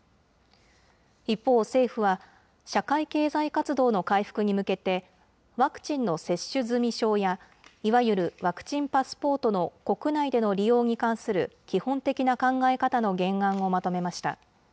一方、政府は社会経済活動の回復に向けて、ワクチンの接種済証やいわゆるワクチンパスポートの国内での利用に関する基本的な考え方の原案をまとめました。